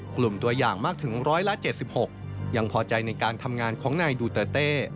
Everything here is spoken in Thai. กลุ่มตัวอย่างมากถึง๑๗๖ยังพอใจในการทำงานของนายดูเตอร์เต้